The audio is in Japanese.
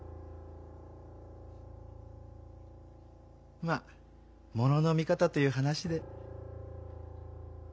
まあ物の見方という話で。